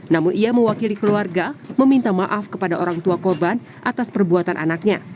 namun ia mewakili keluarga meminta maaf kepada orang tua korban atas perbuatan anaknya